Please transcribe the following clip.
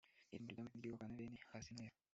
Irembo ry amafi ryubakwa na bene Hasenaya